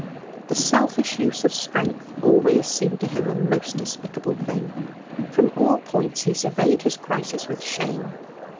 The selfish use of strength always seemed to him a most despicable thing. From all points he surveyed his crisis with shame.